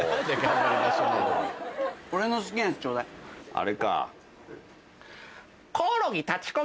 あれか。